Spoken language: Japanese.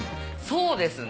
そうですね。